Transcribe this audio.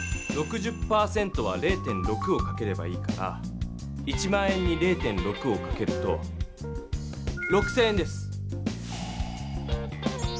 ６０％は０．６をかければいいから１００００円に０．６をかけると６０００円です。